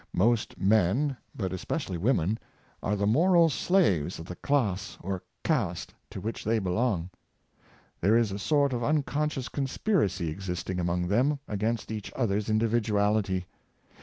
Most men, but especially women, are the moral slaves of the class or Despotism of Fashion. 459 caste to which they belong. There is a sort of uncon scious conspiracy existing among them against each other's individuaHty.